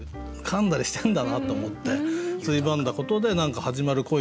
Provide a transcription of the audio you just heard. かんだりしてんだなと思ってついばんだことで何か始まる恋とかあんのかなとかね。